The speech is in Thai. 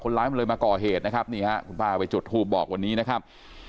ร้ายมันเลยมาก่อเหตุนะครับนี่ฮะคุณป้าไปจุดทูบบอกวันนี้นะครับ